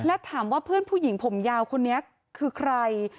และถามว่าเพื่อนผู้หญิงผมยาวคนนี้คือใคร